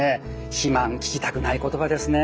肥満聞きたくない言葉ですね。